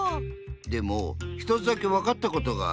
でもひとつだけわかったことがある。